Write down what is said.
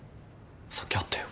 さっき会ったよ。